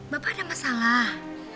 bapak ada masalah